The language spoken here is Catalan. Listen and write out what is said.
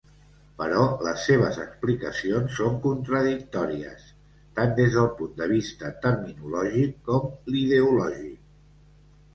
Però les seves explicacions són contradictòries, tant des del punt de vista terminològic com l'ideològic.